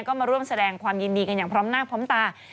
ก็มาร่วมแสดงความยินดีกันอย่างพร้อมหน้าพร้อมตา